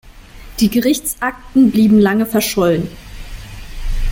Die Gerichtsakten blieben lange verschollen.